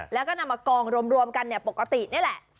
แล้วก็นำมากองรวมกันปกตินี่แหละ